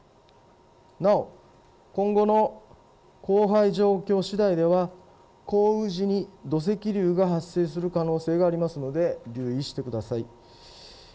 なお今後の降灰状況しだいでは降雨時に土石流が発生する可能性がありますので留意してください。